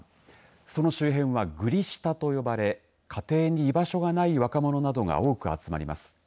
その周辺はグリ下と呼ばれ家庭に居場所がない若者などが多く集まります。